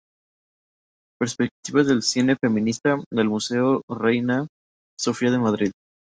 Perspectivas del cine feminista" del Museo Reina Sofía de Madrid".